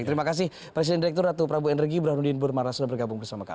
terima kasih presiden direktur ratu prabu energi burhanuddin burmara sudah bergabung bersama kami